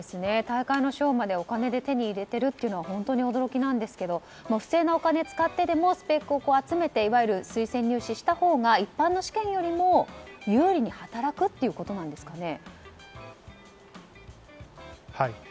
大会の賞までお金で手に入れているというのは本当に驚きなんですが不正なお金を使ってでもスペックを集めていわゆる推薦入試したほうが一般の試験よりも有利に働くということなんですかね。